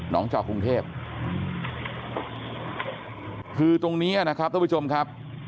จอกรุงเทพคือตรงนี้นะครับท่านผู้ชมครับ